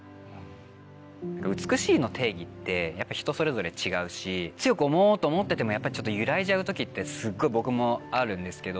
美しいの定義ってやっぱ人それぞれ違うし強く思おうと思っててもやっぱ揺らいじゃう時ってすっごい僕もあるんですけど。